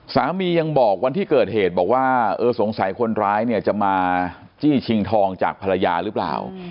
ยังบอกวันที่เกิดเหตุบอกว่าเออสงสัยคนร้ายเนี่ยจะมาจี้ชิงทองจากภรรยาหรือเปล่า